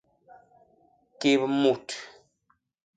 Kép mut;